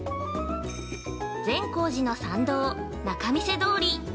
◆善光寺の参道「仲見世通り」。